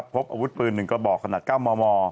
พบอาวุธปืน๑กระบอกขนาด๙มม